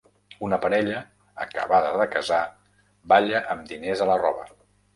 Una parella acabada de casar balla amb diners a la roba.